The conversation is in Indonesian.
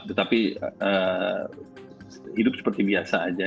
tetapi hidup seperti biasa aja